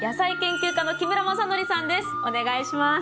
お願いします。